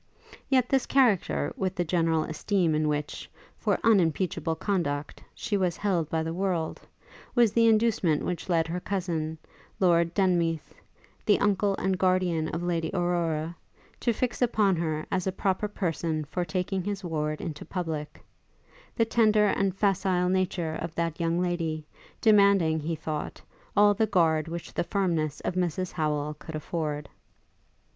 Yet this character, with the general esteem in which, for unimpeachable conduct, she was held by the world, was the inducement which led her cousin, Lord Denmeath, the uncle and guardian of Lady Aurora, to fix upon her as a proper person for taking his ward into public; the tender and facile nature of that young lady, demanding, he thought, all the guard which the firmness of Mrs Howel could afford.